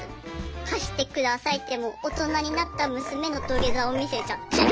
貸してくださいって大人になった娘の土下座を見せちゃって。